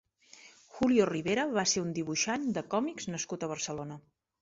Julio Ribera va ser un dibuixant de còmics nascut a Barcelona.